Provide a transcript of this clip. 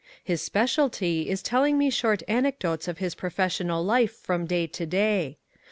His specialty is telling me short anecdotes of his professional life from day to day.